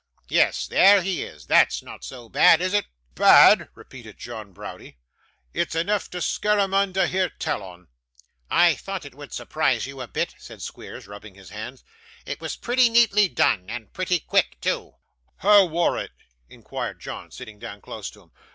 Yes, there he is. That's not so bad, is it?' 'Ba'ad!' repeated John Browdie. 'It's eneaf to scare a mun to hear tell on.' 'I thought it would surprise you a bit,' said Squeers, rubbing his hands. 'It was pretty neatly done, and pretty quick too.' 'Hoo wor it?' inquired John, sitting down close to him.